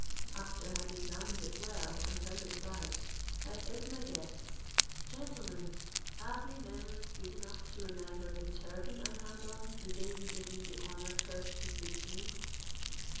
After I had examined it well, and turned it about, I said to my guests, "Gentlemen, have you memories good enough to remember the turban I had on the day you did me the honour first to speak to me?"